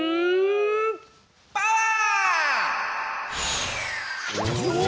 パワー！